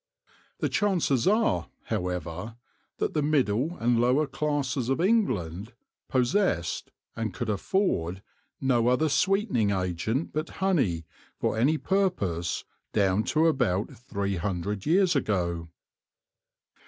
The chances are, however, that the middle and lower classes of England possessed, and could afford, no other sweetening agent but honey, for any purpose, down to about three hundred years ago.